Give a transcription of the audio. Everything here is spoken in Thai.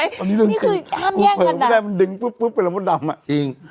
นี่คือห้ามแย่งกัน